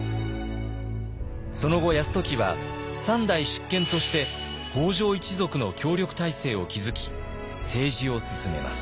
その後泰時は３代執権として北条一族の協力体制を築き政治を進めます。